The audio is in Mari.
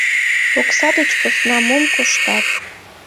— Окса деч посна мом коштат.